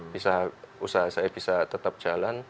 bisa usaha saya bisa tetap jalan